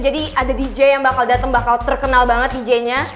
jadi ada dj yang bakal dateng bakal terkenal banget djnya